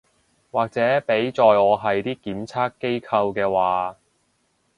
或者畀在我係啲檢測機構嘅話